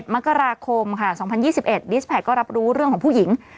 มกราคมค่ะ๒๐๒๑ดิสแพคก็รับรู้เรื่องของผู้หญิง